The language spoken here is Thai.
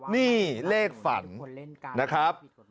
นี่เลขฝันนะครับ